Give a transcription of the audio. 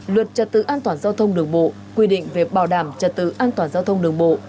luật trật tự an toàn giao thông đường bộ quy định về bảo đảm trật tự an toàn giao thông đường bộ